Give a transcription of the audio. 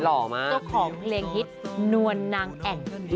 เจ้าของเพลงฮิตนวลนางแอ่น